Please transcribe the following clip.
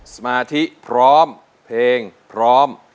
สมาธิพร้อมเพลงพร้อม